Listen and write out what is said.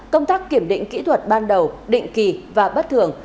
công tác kiểm định kỹ thuật ban đầu định kỳ và bất thường